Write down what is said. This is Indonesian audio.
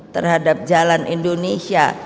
terhadap jalan indonesia